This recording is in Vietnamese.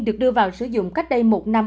được đưa vào sử dụng cách đây một năm